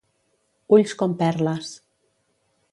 Ulls com perles.